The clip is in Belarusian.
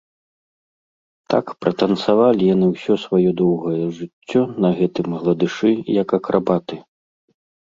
Так пратанцавалі яны ўсё сваё доўгае жыццё на гэтым гладышы, як акрабаты.